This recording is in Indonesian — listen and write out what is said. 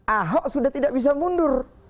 ahok sudah tidak bisa mundur